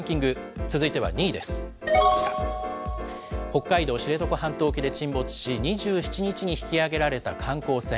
北海道知床半島沖で沈没し、２７日に引き揚げられた観光船。